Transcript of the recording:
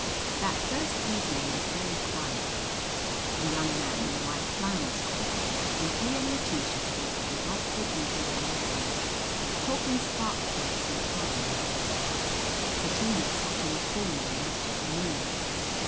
That first evening was very quiet. A young man in white flannels called, and he and Letitia spent a delightful evening on the porch talking spark plugs and carbureters. Bettina sat in a corner and looked at the moon.